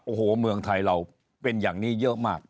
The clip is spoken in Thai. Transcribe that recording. โอ้โหเมืองไทยเราเป็นอย่างนี้เยอะมาก